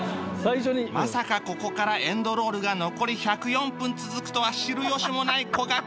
まさかここからエンドロールが残り１０４分続くとは知るよしもないこがけん